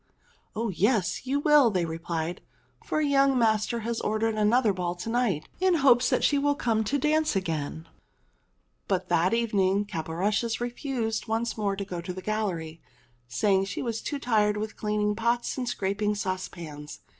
CAPORUSHES 303 "Oh yes, you will,'* they repHed, "for young master has ordered another ball to night in hopes she will come to dance again." [But that evening Caporushes refused once more to go to the gallery, saying she was too tired with cleaning pots and scraping saucepans.